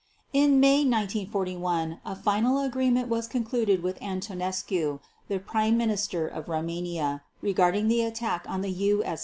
In May 1941 a final agreement was concluded with Antonescu, the Prime Minister of Rumania, regarding the attack on the U.